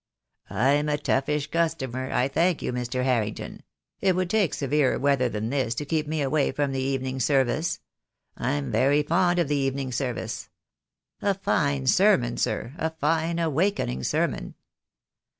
"I'm a toughish customer, I thank you, Mr. Harrington. It would take severer weather than this to keep me away from the evening service. I'm very fond of the evening service. A fine sermon, sir, a fine, awakening sermon."